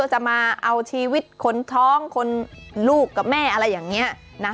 จะมาเอาชีวิตคนท้องคนลูกกับแม่อะไรอย่างนี้นะ